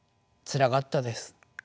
つらかったです。